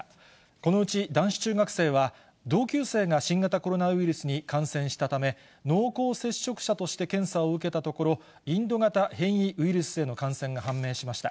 このうち男子中学生は、同級生が新型コロナウイルスに感染したため、濃厚接触者として検査を受けたところ、インド型変異ウイルスへの感染が判明しました。